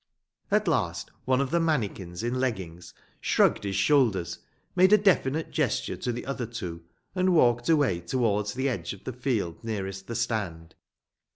At last one of the mannikins in leggings shrugged his shoulders, made a definite gesture to the other two, and walked away towards the edge of the field nearest the stand.